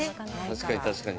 確かに確かに。